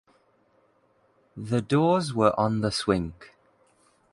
The doors were on the swing.